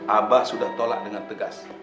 abah sudah tolak dengan tegas